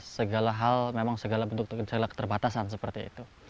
segala hal memang segala bentuk terbatasan seperti itu